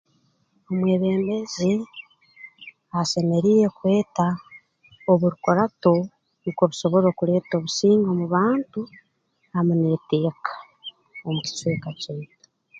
Omwebembezi asemeriire kweta obukurato nukwo busobole okuleeta obusinge omu bantu hamu n'eteeka omu kicweka kyaitu